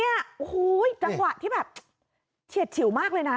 จังหวะที่เฉียดฉิวมากเลยนะ